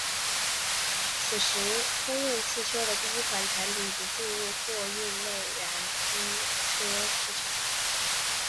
此时通用汽车的第一款产品已经进入了货运内燃机车市场。